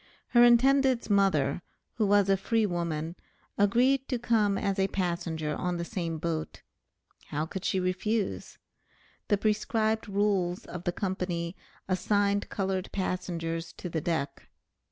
Her intended's mother, who was a free woman, agreed to come as a passenger on the same boat. How could she refuse? The prescribed rules of the Company assigned colored passengers to the deck.